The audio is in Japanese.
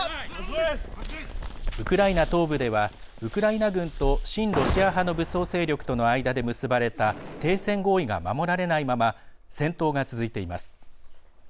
ウクライナ東部ではウクライナ軍と親ロシア派の武装勢力の間で結ばれた停戦合意が守られないまま戦闘が続いています。